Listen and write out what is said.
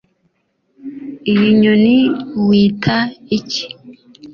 Iyi nyoni wita iki